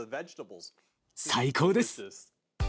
最高です。